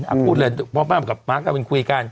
อ้ำพูดเลยพร้อมมากกับมาร์คทาวินคุยกัน